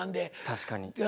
確かに。